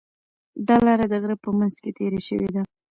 دا لاره د غره په منځ کې تېره شوې ده.